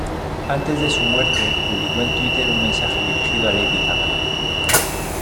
Antes de su muerte, publicó en Twitter un mensaje dirigido a Lady Gaga.